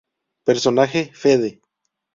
Personaje: Fede.